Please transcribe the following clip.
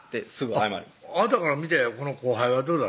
あなたから見てこの後輩はどうだったんですか？